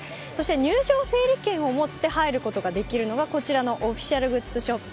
入場整理券を持って入ることができるのが、こちらのオフィシャルグッズショップ。